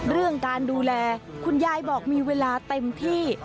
เรื่องการดูแลคุณยายบอกมีเวลาเต็มที่